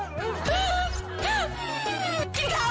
กินข้าวอย่างนี้